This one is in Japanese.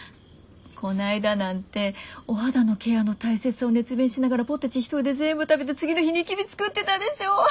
こないだなんてお肌のケアの大切さを熱弁しながらポテチ１人で全部食べて次の日ニキビ作ってたでしょ？